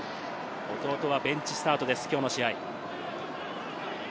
弟はベンチスタートです、きょうの試合。